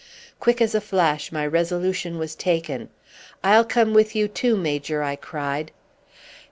Quick as a flash my resolution was taken. "I'll come with you too, Major," I cried.